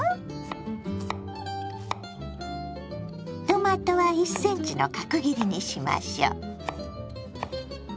トマトは１センチの角切りにしましょう。